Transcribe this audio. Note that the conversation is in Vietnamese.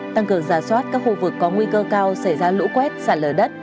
tăng cường giả soát các khu vực có nguy cơ cao xảy ra lũ quét sạt lở đất